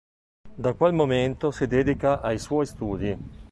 Da quel momento si dedica ai suoi studi.